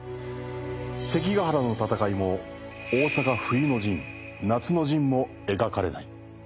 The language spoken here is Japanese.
関ヶ原の戦いも大坂冬の陣・夏の陣も描かれない。